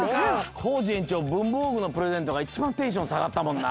コージ園長ぶんぼうぐのプレゼントがいちばんテンションさがったもんな。